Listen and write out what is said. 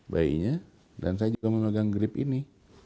bayinya dan saya juga memegang grip ini